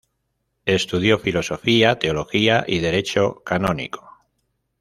Estudió filosofía, teología y derecho canónico.